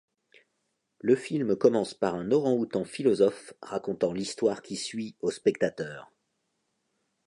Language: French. Le film commence par un orang-outang philosophe racontant l'histoire qui suit au spectateur.